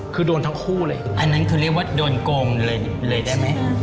คือโดนทั้งคู่เลยอันนั้นคือเรียกว่าโดนโกงเลยได้ไหม